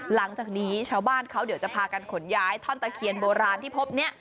หลังจากนี้ชาวบ้านเขาเดี๋ยวจะพากันขนย้ายท่อนตะเคียนโบราณที่พบนี้